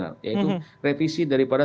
yaitu revisi daripada